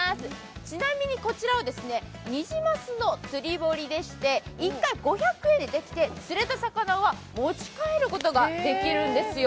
ちなみに、こちらはニジマスの釣堀でして、１回５００円でできて、釣れた魚は持ち帰ることができるんですよ。